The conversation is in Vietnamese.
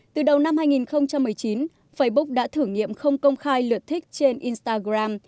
từ đầu năm hai nghìn một mươi chín facebook đã thử nghiệm không công khai lượt thích trên instagram